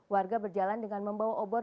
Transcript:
warga berjalan dengan membawa obor